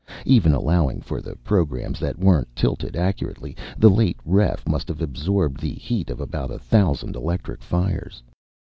Even allowing for the programs that weren't tilted accurately, the late ref must have absorbed the heat of about a thousand electric fires.